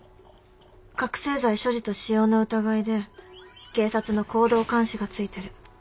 覚醒剤所持と使用の疑いで警察の行動監視がついてる。